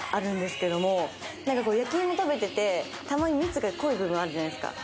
けれｄも、焼き芋食べてて、たまに蜜が濃い部分があるんじゃないですか。